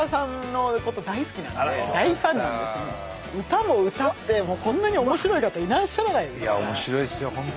歌も歌ってこんなに面白い方いらっしゃらないですから。